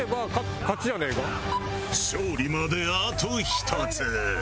勝利まであと１つ。